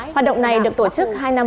hoạt động này được tổ chức hai năm